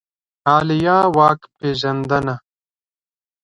عالیه واک پېژندنه